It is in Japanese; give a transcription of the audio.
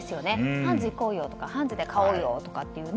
ハンズ行こうよとかハンズで買おうよっていうね。